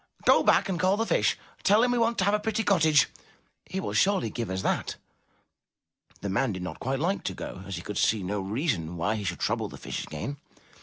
Go back and call the fish. Tell him we want to have a pretty cottage; he will surely give us that." The man did not quite like to go, as he could see no reason why he should trouble the fish again.